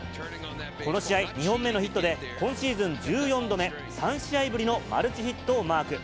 この試合、２本目のヒットで、今シーズン１４度目、３試合ぶりのマルチヒットをマーク。